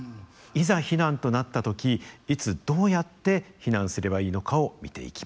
いざ避難となった時いつどうやって避難すればいいのかを見ていきます。